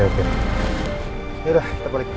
yaudah kita balik